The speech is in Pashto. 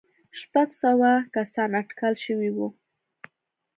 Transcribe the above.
شپږ سوه کسان اټکل شوي وو.